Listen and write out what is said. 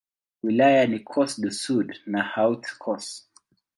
Wilaya ni Corse-du-Sud na Haute-Corse.